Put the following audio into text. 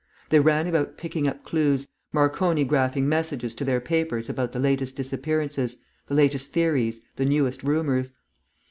They ran about picking up clues, Marconi graphing messages to their papers about the latest disappearances, the latest theories, the newest rumours.